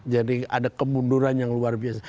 jadi ada kemunduran yang luar biasa